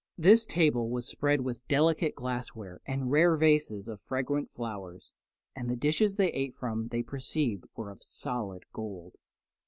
This table was spread with delicate glassware and rare vases of fragrant flowers, and the dishes they ate from they perceived were of solid gold.